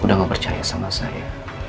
udah gak percaya sama saya